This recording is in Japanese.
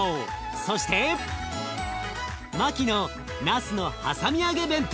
そしてマキのなすのはさみ揚げ弁当。